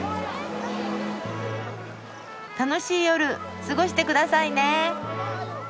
楽しい夜過ごしてくださいね。